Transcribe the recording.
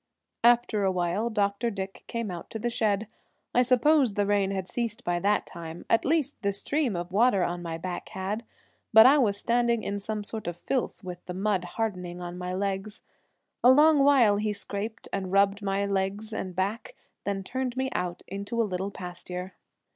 After awhile Dr. Dick came out to the shed. I suppose the rain had ceased by that time, at least the stream of water on my back had, but I was standing in some sort of filth, with the mud hardening on my legs. A long while he scraped and rubbed my legs and back, then turned me out into a little pasture.